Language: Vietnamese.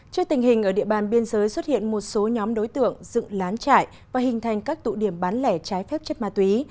trước tình hình ở địa bàn biên giới xuất hiện một số nhóm đối tượng dựng lán trại và hình thành các tụ điểm bán lẻ trái phép chất ma túy